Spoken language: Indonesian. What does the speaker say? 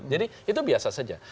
jadi itu biasa saja